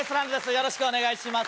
よろしくお願いします